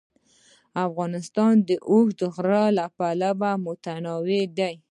افغانستان د اوږده غرونه له پلوه متنوع دی.